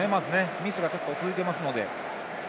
ミスがちょっと続いていますので。